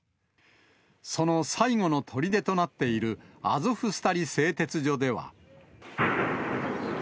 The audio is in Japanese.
その最後のとりでとなっている、アゾフスタリ製鉄所では。